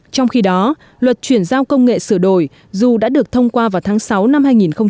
trong khi đó luật chuyển giao công nghệ sửa đổi dù đã được thông qua vào tháng sáu năm hai nghìn một mươi chín